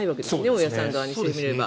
大家さん側にしてみれば。